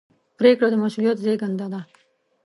پرېکړه د مسؤلیت زېږنده ده.